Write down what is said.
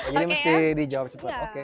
jadi mesti dijawab cepat